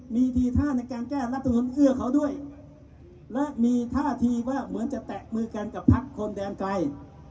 มีทีท่าในการแก้รัฐมนุนเอื้อเขาด้วยและมีท่าทีว่าเหมือนจะแตะมือกันกับพักคนแดนไกล